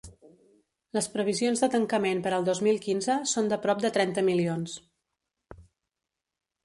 Les previsions de tancament per al dos mil quinze són de prop de trenta milions.